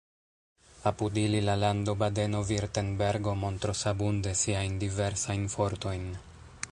Apud ili la lando Badeno-Virtenbergo montros abunde siajn diversajn fortojn.